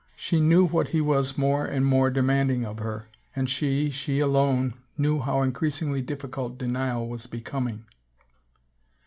She knew what ^^^^ he was more and more demanding of her and she, and she alone, knew how increasingly dif ficult denial was becoming.